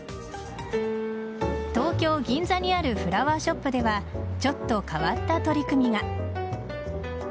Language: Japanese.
東京・銀座にあるフラワーショップではちょっと変わった取り組みが。